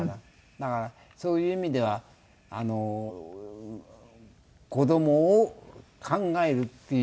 だからそういう意味では子どもを考えるっていう意味ではね。